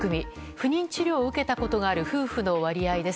不妊治療を受けたことがある夫婦の割合です。